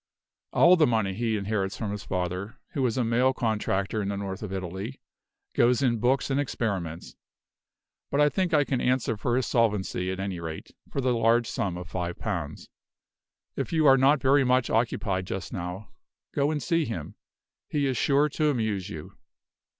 All the money he inherits from his father, who was a mail contractor in the north of Italy, goes in books and experiments; but I think I can answer for his solvency, at any rate, for the large sum of five pounds. If you are not very much occupied just now, go and see him. He is sure to amuse you."